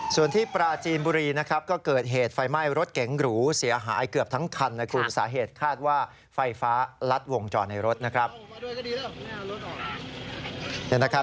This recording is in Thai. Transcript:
ส่วนที่ปราจีนบุรีนะครับก็เกิดเหตุไฟไหม้รถเก๋งหรูเสียหายเกือบทั้งคันนะคุณสาเหตุคาดว่าไฟฟ้ารัดวงจรในรถนะครับ